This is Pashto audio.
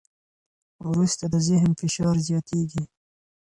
وروسته د ذهن فشار زیاتېږي.